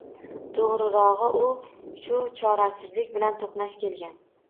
To`g`rirog`i, u shu chorasizlik bilan to`qnash kelgan